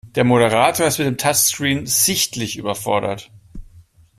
Der Moderator ist mit dem Touchscreen sichtlich überfordert.